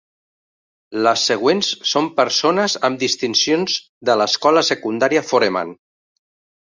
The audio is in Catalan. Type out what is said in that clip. Les següents són persones amb distincions de l'escola secundària Foreman.